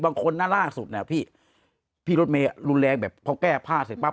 บางคนนะล่าสุดเนี่ยพี่พี่รถเมย์รุนแรงแบบพอแก้ผ้าเสร็จปั๊